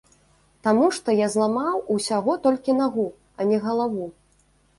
Таму што я зламаў усяго толькі нагу, а не галаву!